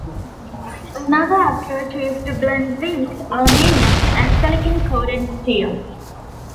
Another approach is to blend zinc, aluminum, and silicon-coated steel.